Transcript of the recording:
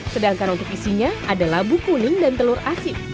sedangkan untuk isinya ada labu kuning dan telur asin